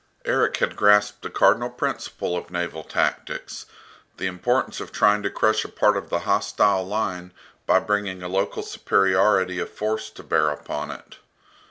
Erik had grasped a cardinal principle of naval tactics, the importance of trying to crush a part of the hostile line by bringing a local superiority of force to bear upon it.